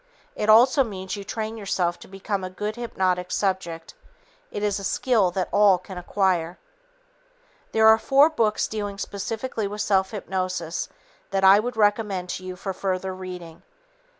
It also means you train yourself to become a good hypnotic subject. It is a skill that all can acquire. There are four books dealing specifically with self hypnosis that I would recommend to you for further reading.